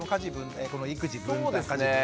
この育児分担家事分担。